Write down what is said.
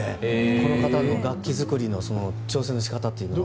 この方の楽器作りの挑戦の仕方というのは。